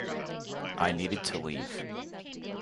I needed to leave.